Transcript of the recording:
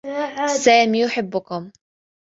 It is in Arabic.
سامي يحبّكم.